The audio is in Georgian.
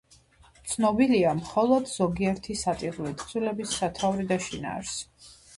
ცნობილია მხოლოდ ზოგიერთი სატირული თხზულების სათაური და შინაარსი.